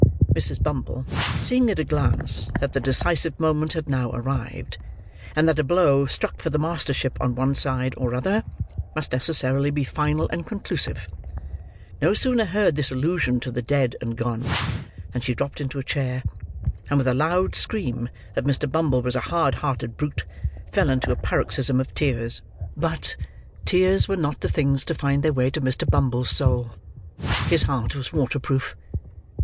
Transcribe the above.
Mrs. Bumble, seeing at a glance, that the decisive moment had now arrived, and that a blow struck for the mastership on one side or other, must necessarily be final and conclusive, no sooner heard this allusion to the dead and gone, than she dropped into a chair, and with a loud scream that Mr. Bumble was a hard hearted brute, fell into a paroxysm of tears. But, tears were not the things to find their way to Mr. Bumble's soul; his heart was waterproof.